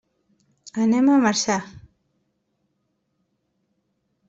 Anem a Marçà.